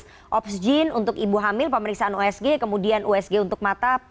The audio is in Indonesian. jadi untuk dokter spesialis opsgen untuk ibu hamil pemeriksaan usg kemudian usg untuk mata